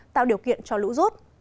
tạo điều kiện cho lũ rút